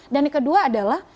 dan kedua adalah